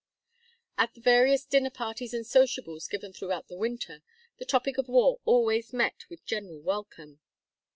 At the various dinner parties and sociables given throughout the winter, the topic of war always met with general welcome.